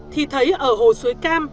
thì thấy ở hồ suối cam